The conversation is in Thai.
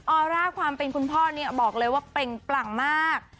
ออร่าความเป็นคุณพ่อบอกเลยว่าเปลั่งมาก